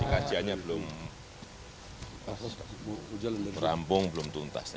kajiannya belum rampung belum tuntas